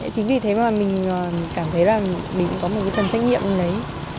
chính vì thế mà mình cảm thấy là mình cũng có một cái phần trách nhiệm đấy